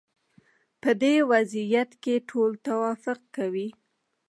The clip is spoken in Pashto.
په دې وضعیت کې ټول توافق کوي.